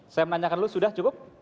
saya menanyakan dulu sudah cukup